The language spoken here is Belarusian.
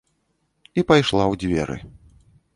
І пайшла ў дзверы.